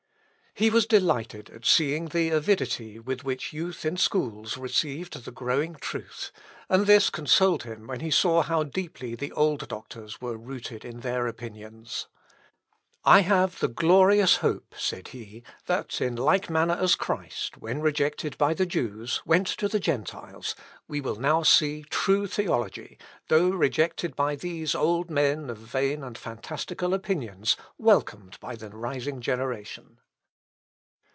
He was delighted at seeing the avidity with which youth in schools received the growing truth; and this consoled him when he saw how deeply the old doctors were rooted in their opinions. "I have the glorious hope," said he, "that, in like manner as Christ, when rejected by the Jews, went to the Gentiles, we will now see true theology, though rejected by these old men of vain and fantastical opinions, welcomed by the rising generation."